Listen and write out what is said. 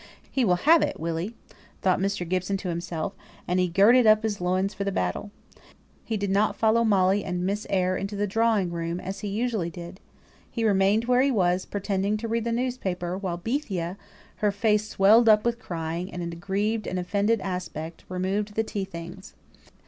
"He will have it, will he?" thought Mr. Gibson to himself; and he girded up his loins for the battle. He did not follow Molly and Miss Eyre into the drawing room as he usually did. He remained where he was, pretending to read the newspaper, while Bethia, her face swelled up with crying, and with an aggrieved and offended aspect, removed the tea things.